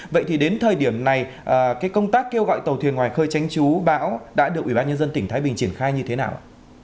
vậy thì đến thời điểm này công tác kêu gọi tàu thuyền ngoài khơi tránh chú bão đã được ủy ban nhân dân tỉnh thái bình triển khai như thế nào ạ